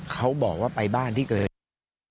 เขาบอกว่าไปบ้านที่เกิดเหตุ